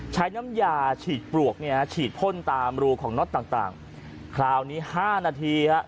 ใช้น้ำยาฉีดปลวกเนี่ยฉีดพ่นตามรูของน็อตต่างคราวนี้๕นาทีฮะ